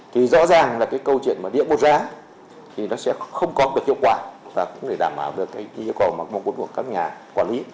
thì rõ ràng là cái câu chuyện mà điện một giá thì nó sẽ không có được hiệu quả và cũng để đảm bảo được cái yêu cầu mà mong muốn của các nhà quản lý